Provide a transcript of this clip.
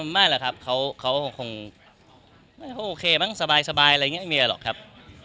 ไม่หรอกครับเขาคงไม่ค่อยโอเคมั้งสบายอะไรอย่างนี้ไม่มีอะไรหรอกครับ